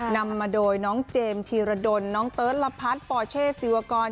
นำมาโดยน้องเจมส์ธีรดลน้องเติร์ดละพัดปอเช่ศิวกร